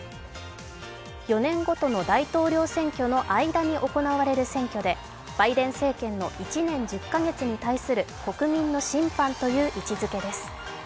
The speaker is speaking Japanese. ４年ごとの大統領選挙の間に行われる選挙でバイデン政権の１年１０か月に対する国民の審判という位置づけです。